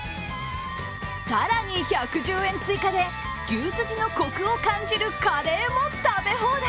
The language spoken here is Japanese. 更に、１１０円追加で牛すじのコクを感じるカレーも食べ放題。